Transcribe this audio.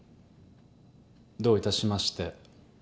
どういたしまして。